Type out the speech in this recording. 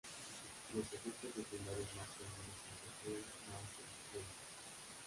Los efectos secundarios más comunes son diarrea, náuseas y vómitos.